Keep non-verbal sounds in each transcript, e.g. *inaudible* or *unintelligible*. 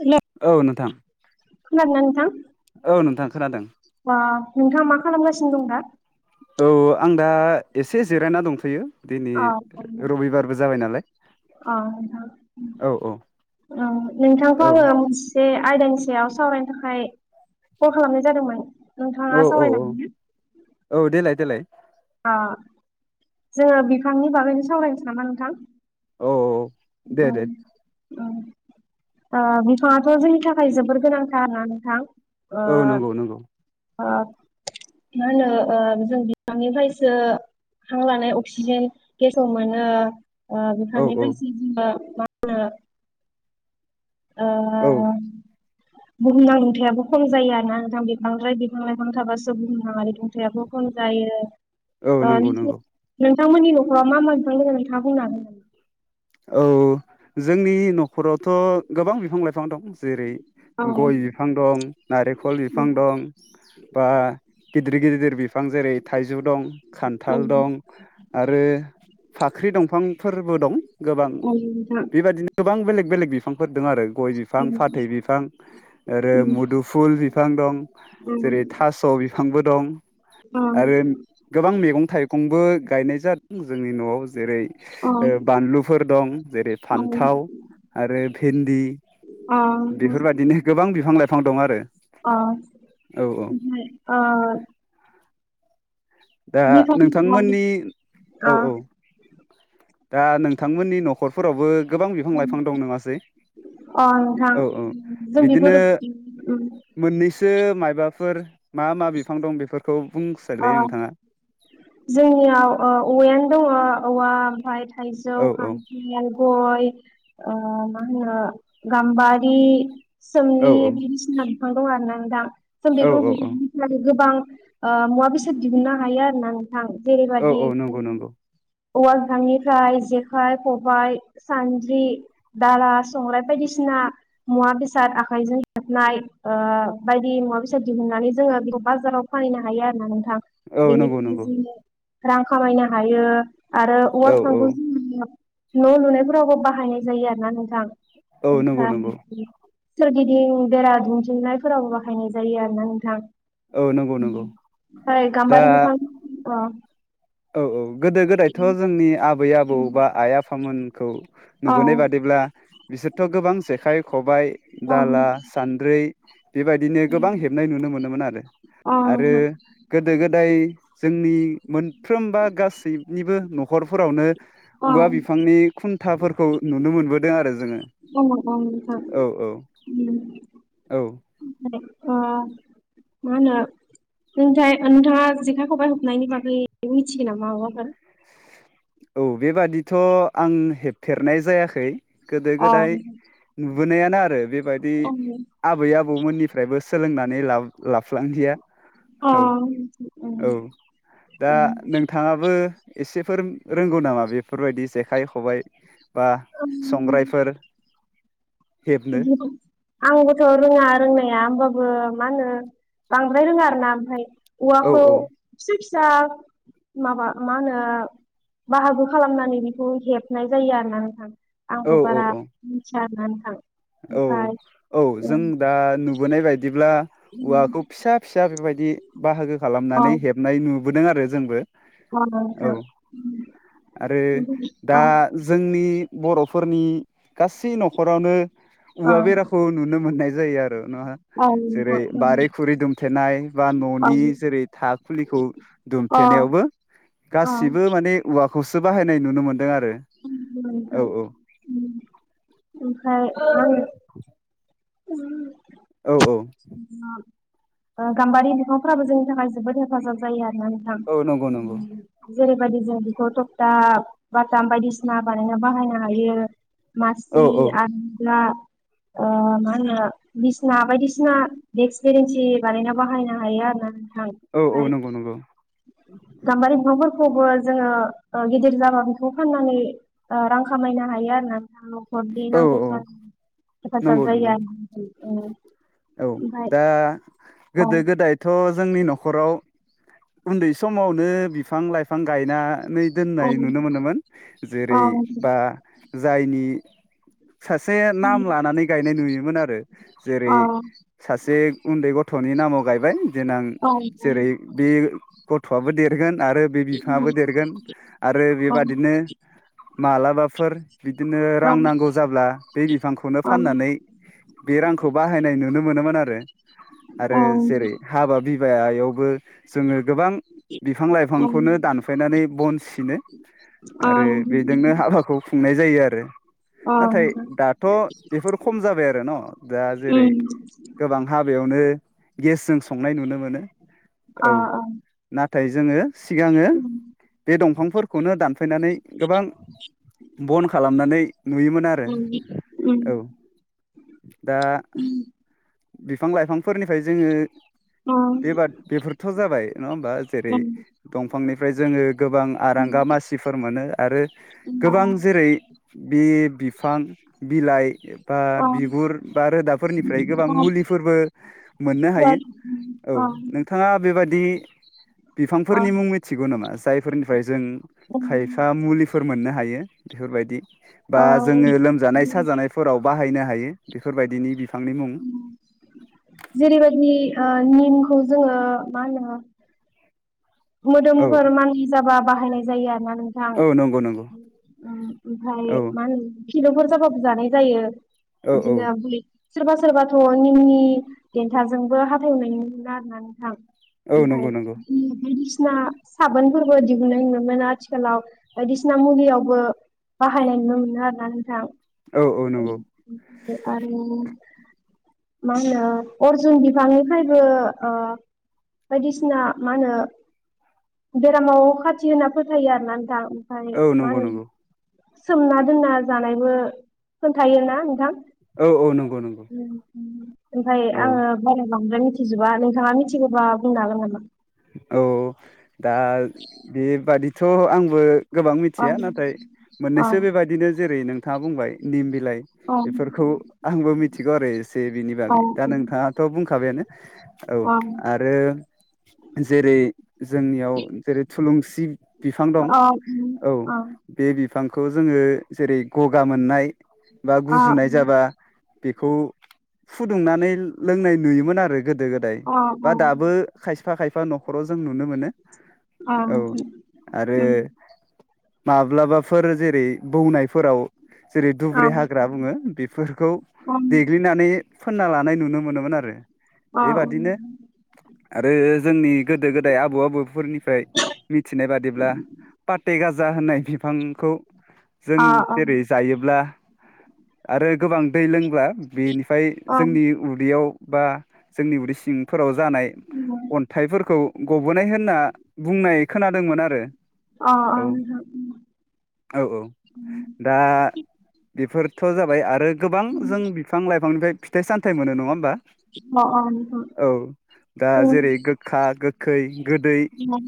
Hello औ नोंथां। खोनादोंना नोंथां? औ नोंथां खोनादों। अ नोंथांङा मा खालामगासिनो दं दा? औ आं दा एसे जिरायना दंथ'यो, दिनै रबिबारबो जाबाय नालाय। अ नोंथां उम। औ औ औ नोंथांखौ औ आङो मोनसे आयदानि सायाव सावरायनो थाखाय कल खालामनाय जादोंमोन। नोंथाङा औ औ सावरायनो हागोन ना? औ औ देलाय देलाय। अ जोङो बिफांनि बागैनो सावरायनोसै नामा नोंथां? औ औ औ। उम। उम ओ बिफाङाथ' जोंनि थाखाय जोबोर गोनांथार ना नोंथां? ओ औ नंगौ नंगौ। ओ मा होनो ओ जों बिफांनिफ्रायसो हां लानाय अक्सिजेन गेसखौ मोनो। ओ औ औ बिफांनिफ्रायसो ओ मा होनो औ। ओ बुहुमनां दुंथायाबो खम जायो आरो ना नोंथां बिफांनिफ्राय। बिफां लाइफां थाबासो बुहुमनांङारि दुंथायाबो खम जायो। औ ओ नंगौ नोंथां नंगौ। नोंथांमोननि न'खरा मा मा बिफां दोङो नोंथांङा बुंनो हागोन नामा? औ जोंनि न'खरावथ' गोबां बिफां लाइफां दं जेरै औ गय बिफां दं, नारेंखल बिफां दं बा गिदिर गिदिर बिफां जेरै थाइजौ दं, औ खान्थाल दं आरो फाख्रि दंफांफोरबो दं। गोबां औ नोंथां बेबायदिनो गोबां बेलेग बेलेग बिफांफोर दं आरो गय बिफां, उम फाथै बिफां आरो उम मुदुमफुल बिफां दं जेरै अ थास' बिफांबो दं अ आरो गोबां मैगं थाइगंबो गायनाय जादों जोंनि न'आव जेरै अह फोर दं जेरै फान्थाव आरो भिन्दि अ बेफोरबायदिनो गोबां बिफां लाइफां दं आरो। अ औ औ ओमफाय ओ दा बिफां नोंथांमोननि औ अ औ दा नोंथांमोननि न'खरफोरावबो गोबां बिफां लाइफां दं नंङासै? अ नोंथां औ औ जों बिदिनो बेफोर उम मोननैसो मायबाफोर मा मा बिफां दं बेफोरखौ अ बुंसायलाय नोंथाङा। जोंनियाव ओ औवायानो दङ औवा ओमफाय थाइजौ, औ औ *unintelligible* गय ओ मा होनो गाम्बारि औ सोमलि बायदिसिना बिफां दं आरोना नोंथां जों औ बेखौ औ औ *unintelligible* गोबां ओ मुवा बेसाद दिहुननो हायो आरो ना नों थां औ जेरैबादि औ नंगौ नंगौ औवा बिफांनिफ्राय जेखाइ, खबाइ, सान्द्रि, दाला, संग्राय बायदिसिना मुवा बेसाद आखाइजों हेबनाय ओ बायदि मुवा बेसाद दिहुननानै जोङो बे बाजाराव फाननो हायो आरोना नोंथां। औ नंगौ बेनिफ्राय नंगौ जोङो रां खामायनो हायो आरो औवा औ औ बिफांखौ जों न लुनायफोरावबो बाहायनाय जायो आरो ना नोंथां औ नंगौ नंगौ सोरगिदिं बेरा दुथिंनायफोराव बाहायनाय जायो आरो ना नोंथां औ नंगौ नंगौ है दा गाम्बारि बिफां अ औ औ गोदो गोदायथ जोंनि आबै आबौ बा आइ आफामोन खौ अ नुबोनाय बादिब्ला बिसोरथ' गोबां जेखाइ खबाइ अ दाला सान्द्रि बेबायदिनो गोबां हेबनाय नुनो मोनोमोन आरो अ आरो नोंथां गोदो गोदाय जोंनि मोन साफ्रोमबा गासैनिबो नखरफोरावनो औ औवा बिफांनि खुन्थाफोरखौ नुनो मोनो मोनबोदों आरो जोङो औ औ नोंथां औ औ उम औ अ मा होनो नोंथाय नोंथाङा जेखाइ खबाइ हेबनायनि बागै मिथिगो नामा माबाफोर औ बेबादिथ आं हेबफेरनाय जायाखै गोदो अ गोदाय नुबोनायानो आरो बेबायदि ओं, आबै आबौमोननिफ्रायबो सोलोंनानै ला लाफ्लांदिया अ औ ओं, औ ओं. दा नोंथाङाबो एसेफोर रोंगौ नामा बेफोरबायदि जेखाइ खबायाइ बा संग्राइफोर बि आंबोथ रोङा रोंनाया होमबाबो मा होनो बांद्राय रोङा आरो ना ओमफाय औ औवाखौ औ फिसा फिसा माबा मा होनो बाहागो खालामनानै बेखौ हेबनाय जायो आरो ना नोंथां औ आंबो औ बारा औ मिथिया आरोना नोंथां औ ओमफ्राय औ जों ओम, दा नुबोनाय बायदिब्ला ओम, औवाखौ फिसा फिसा बेबायदि बाहागो खालामनानै हेबनाय नुबोदों आरो जोंबो औ आरो दा जोंनि बरफोरनि गासै नखरावनो औवा बेराखौ नुनो मोननाय जायो आरो आरो न जेरै बारि खुरै दुमथेनाय बा ननि जेरै थाखुलिखौ दुमथेनायावबो गासिबो माने औवाखौसो बाहायनाय नुनो मोनदों आरो औ औ ओमफ्राय ओ ओ औ औ गाम्बारि बिफांफ्राबो जोंनि थाखाय जोबोद हेफाजाब जायो आरोना नोंथां औ नंगौ नंगौ उम जेरैबायदि जों बेखौ टकता बाटाम बायदिसिना बानायना बाहायनो हायो औ मासि औ आलना ओ मा आङो बिसिना बायदिसिना देक्स बेरेन्सि बानायनायाव बाहायनो हायो आरो ना औ औ नंगौ नंगौ गाम्बारि बिफांफोरखौबो जोङो ओ गिदिर जाबा बेखौ फाननानै रां खामाय नो हायो आरो ना नखरनि औ नांगौ औ हेफाजाब नंगौ जायो नंगौ आरो उम औ दा औ गोदो गोदायथ' जोंनि नखर नखराव उन्दै समावनो बिफां लाइफां गाय नानै औ दोननाय नुनो मोनोमोन औ जेरै बा जायनि सासे नाम लानानै गायनाय नुयोमोन आरो जेरै सासे उन्दै गथनि नामाव गायबाय देनां औ जेरै बे गथआबो देरगोन आरो बे बिफाङाबो देरगोन आरो बेबादिनो मालाबाफोर बिदिनो औ रां नांगौ जाब्ला बे बिफांखौनो औ फाननानै बे रांखौ बाहायनाय नु नो मोनोमोन आरो आरो ओं जेरै हाबा बिबायावबो जोङो गोबां बिफां ओं उम लाइफांखौनो दानफायनानै बन सिनो आरो बेजोंनो हाबाखौ खुंनाय जायो आरो नाथाय दाथ' बेफोर खम जाबाय आरो न' दा जेरै गोबां हाबायावनो गेसजों संनाय नुनो मोनो औ अ -अ नाथाय जोङो सिगाङो उम बे दंफांफोरखौनो दान फैनानै गोबां बन खालामनानै नुयोमोन आरो उम उम बिफां - लाइफांफोरनिफ्राय जोङो अ बेबाद बेफोरथ' जाबाय नङा होमबा जेरै उम दंफांनिफ्राय जोङो गोबां आरांगा मासिफोर मोनो आरो अ गोबां जेरै बे बिफां बिलाइ बा अ बिगुर बा रोदाफोरनिफ्राय गोबां मुलिफोरबो मोननो हायो औ नोंथाङा बेबाददि अ अ बिफांफोरनि मुं मिथिगौ नामा जायफोरनिफ्राय जों अ खायफा मुलिफोर मोननो हायो बेफोरबायदि बा ओ जोङो लोमजानाय- साजानायफोराव बाहायनो हायो बेफोरबायदिनि बिफांनि मुं जेरैबायदि निमखौ जोङो मा होनो औ मोदोमफोर मानि जाबा बाहायनाय जायो आरो मा नोंथां औ नंगौ नंगौ ओमफ्राय औ मा होनो फिलौफोर जाबाबो जानाय जायो औ औ बिदिनो ब सोरबा सोरबाथ' निमनि देन्थाजोंबो हाथाय हुनाय नुयोमोन आरोना नोंथां औ हाय नंगौ नंगौ बायदिसिना साबोनफोरबो दिहुननाय मोनोमोन आथिखालाव बायदिसिना मुलियावबो बाहायनाय नुनो मोनो आरोना नोंथां औ औ नंगौ आरो मा होनो अर्जुन बिफांनिफ्रायबो ओ बायदिसिना मा होनो बेरामाव खाथियो होनना फोथायो आरोना नोंथां ओमफ्राय औ मा नंगौ होनो नंगौ सोमना दोनना जानायबो खोन्थायोना नोंथां औ औ नंगौ नंगौ ओमफ्राय औ आङो बारा बांद्राय मि मिथिजोबा नोंथाङा मिथिगौबा बुंनो हागोन नामा औ दा बेबादिथ' आंबो गोबां मिथिया नाथाय मोननैसो बेबायाददिनो जेरै नोंथाङा बुंबाय निम बिलाइ बेफोरखौ आंबो मिथिगौ आरो एसे बिनि बागै दा नोंथाङाथ' बुंखाबायानो औ आरो जेरै जोंनियाव जेरै थुलुंसि बिफां दं औ बे बिफांखौ जोङो जेरै गगा मोननाय बा गुजुनाय जाबा बेखौ फुदुंनानै लोंनाय नुयोमोन आरो गोदो - गोदाय बा दाबो खायफा - खायफा न'खराव जों नुनो मोनो औ आरो माब्लाबाफोर जेरै बौनायफोराव जेरै दुब्रि हाग्रा बुङो बेफोरखौ देग्लिनानै फोनना लानाय नुनो मोनोमोन आरो अ बे जोंनि गोदो -गोदाय आबौ - आबौफोरनि ओमफ्राय मिथिनाय बादिब्ला पाते गाजा होननाय बिफांखौ जों जेरै जायोब्ला आरो गोबां दै लोंब्ला बेनि फाय जोंनि उदैयाव बा जोंनि उदै सिंफोराव जानाय फिथाइफोरखौ गबोनाय होनना बुंनाय खोनादोंमोन आरो औ औ - औ दा बेफोर थ' जाबाय आरो गोबां जों बिफां - लाइफांनिफाय फिथाइ -सामथाइ मोनो नङा होमबा औ दा जेरै नामा? गोखा गो खै गोदै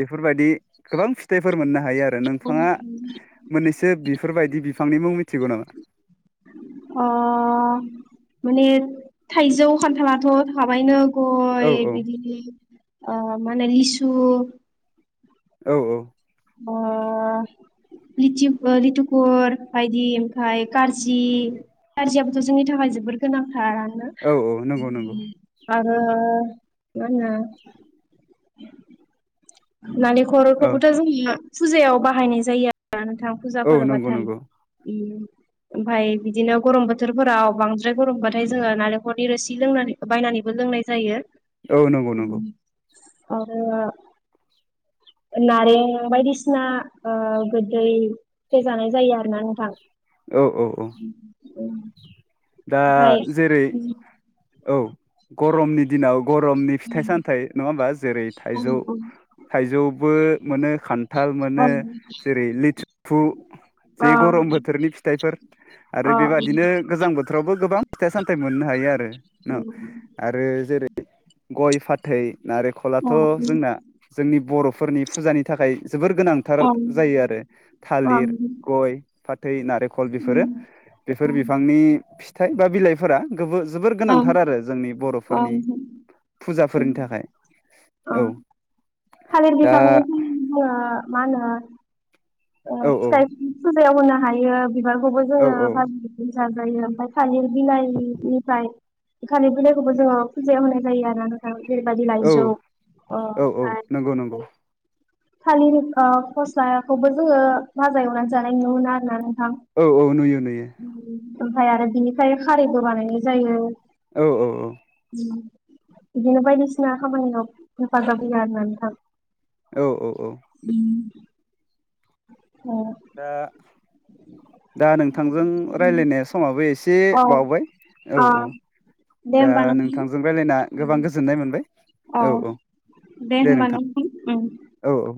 बेफोरबायदि गोबां फिथाइफोर मोननो हायो आरो नोंथाङा अ मोननैसो बिफोरबायदि बिफांनि मुं मिथिगौ नामा? ओ माने थाइजौ खान्थालाथ' थाबायनो औ गय औ बिदिनि ओ माने लिसु औ औ ओ लिख ओ लिथुखर बायदि ओमफाय खारजि खारजियाबोथ' जोंनि थाखाय जोबोर गोनांथारङानो औ औ नंगौ उम नंगौ आरो मा होनो औ नालेंखरखौबोथ' जोंङो फुजायाव बाहायनाय जायो। दा नोंथां फुजा औ नंगौ फोरबाथाय नंगौ उम ओमफाय बिदिनो गरम बोथोरफोराव बांद्राय गरमबाथाय जोङो नालेंखरनि रोसि लोंनानै बायनानै बो लोंनाय जायो। औ नंगौ नंगौ। आरो नारें बायदिसिना ओ गोदै फिथाय जानाय जायो आरोना नोंथां। औ औ औ *unintelligible* दा ओमफाय जेरै औ गरमनि दिनाव गरमनि फिथाइ सामथाइ नङा ओमबा जेरै थाइजौ थाइजौबो मोनो खान्थाल मोनो जेरै लिथिफु *unintelligible* बोथोरनि फिथाइफोर आरो बेबादिनो गोजां बोथोरावबो गोबां फिथाइ सामथाइ मोननो हायो आरो न' आरो जेरै गय फाथै नारेखलाथ' जोंना जोंनि बर'फोरनि फुजानि थाखाय जोबोर गोनांथार जायो आरो थालिर गय फाथै नारेखल बिफोरो बिफोर बिफांनि फिथाइ बा बिलाइफोरा गोहो जोबोर गोनांथार आरो जोंनि बर'फोरनि फुजाफोरनि थाखाय औ थालिर दा बिफां जोङो ओ मा होनो औ फिथाइ सायाव होनो हायो बिबारखौबो औ जोङो *unintelligible* जाजायो ओमफाय थालिर बिलाइनिफ्राय थालिर बिलाइखौबो जोङो फुजायाव होनाय जायो आरोना नोंथां जेरैबायदि औ लाायजौ ओ औ औ ओमफाय नंगौ नंगौ थालिर ओ फस्लाखौबो जोङो बाजा एवनानै जानाय नुनो मोनो आर ना नोंथां औ औ नुयो नुयो ओमफाय आरो बिनिफ्रायनो खारैबो बानायनाय जायो। औ औ औ उम इदिनो बायदिसिना खामानियाव हेफाजाब होया आरोना नोंथां? औ औ औ दा दा नोंथांजों रायलायनाय समाबो एसे औ बावबाय औ औ दे दा होमबा नोंथां नोंथांजों राय्लायना गोबां गोजोननाय मोनबाय। अ औ औ दे होमबा न नोंथां उम औ औ